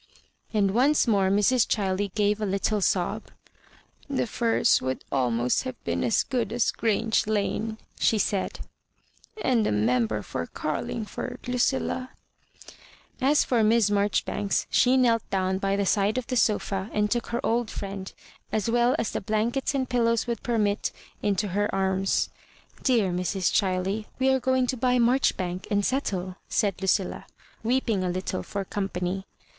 And once more Mrs. Ghiley gave a little sobu "The Firs would almost have been as good aa Grange Lane," she said, " and the Member for Garlingford, Lucilla I" As for Miss Marjori banks, she knelt down by the side of the sofa and took her old friend, as well as the blankets and pillows would permit, into her arms. "Dear Mrs. Ghiley, we are going to buy Marchbank and settle," said LucSla, weeping a little for company.